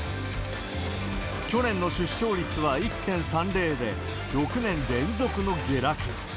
去年の出生率は１．３０で、６年連続の下落。